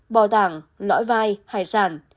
bò tảng lõi vai hải sản